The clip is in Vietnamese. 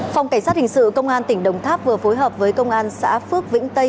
phòng cảnh sát hình sự công an tỉnh đồng tháp vừa phối hợp với công an xã phước vĩnh tây